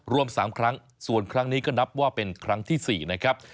รวม๓ครั้งส่วนครั้งนี้ก็นับว่าเป็นครั้งที่๔นะครับ